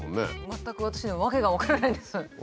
全く私には訳が分からないです。